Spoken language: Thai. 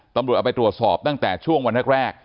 ตำรวจเอาไปตรวจสอบตั้งแต่ช่วงวันแรก